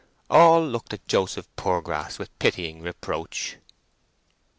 All looked at Joseph Poorgrass with pitying reproach.